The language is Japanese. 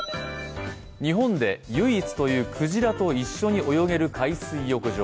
日本で唯一というクジラと一緒に泳げる海水浴場。